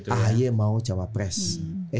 ahy mau cawapres gitu ya